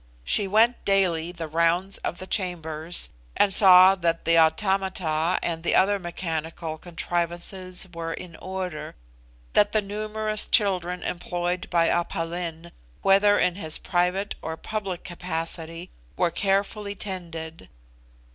She went daily the round of the chambers, and saw that the automata and other mechanical contrivances were in order, that the numerous children employed by Aph Lin, whether in his private or public capacity, were carefully tended.